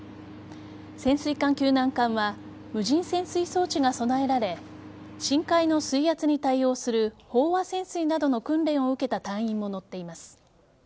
潜水艦救難艦は無人潜水装置が備えられ深海の水圧に対応する飽和潜水などの訓練を受けた隊員も乗っています。